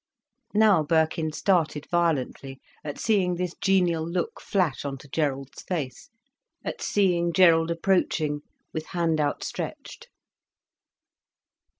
Now Birkin started violently at seeing this genial look flash on to Gerald's face, at seeing Gerald approaching with hand outstretched.